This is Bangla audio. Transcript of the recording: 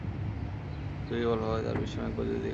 খুকী কেবল ভাবে, তাহার পিসিমা একবার যদি আসিয়া দেখিত!